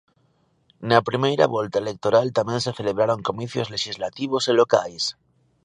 Na primeira volta electoral tamén se celebraron comicios lexislativos e locais.